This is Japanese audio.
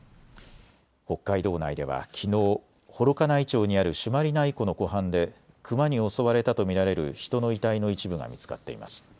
北海道内ではきのう幌加内町にある朱鞠内湖の湖畔でクマに襲われたと見られる人の遺体の一部が見つかっています。